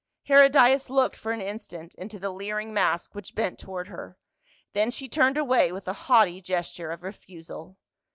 Herodias looked for an instant into the leering mask which bent toward her, then she turned away with a haughty gesture of refusal.